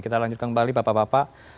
kita lanjutkan kembali bapak bapak